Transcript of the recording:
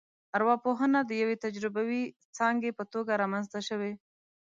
ارواپوهنه د یوې تجربوي ځانګې په توګه رامنځته شوه